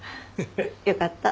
よかった。